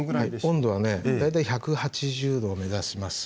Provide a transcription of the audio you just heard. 温度はね大体１８０℃を目指します。